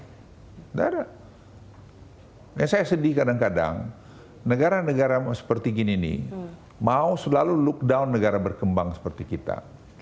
sangat berani saya sedih kadang kadang negara negara seperti gini nih mau selalu look down negara berkembang seperti kita